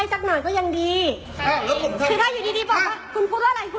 สองครั้งครั้งแล้ว